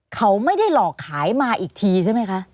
เขาไม่ได้หลอกขายมาอีกทีใช่ไหมคะ